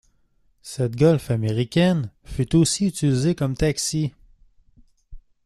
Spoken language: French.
Cette Golf américaine fut aussi utilisée comme taxi.